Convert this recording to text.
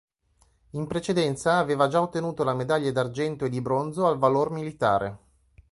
In precedenza aveva già ottenuto la Medaglia d'argento e di bronzo al Valor Militare.